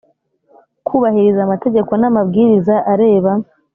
kubahiriza amategeko n amabwiriza areba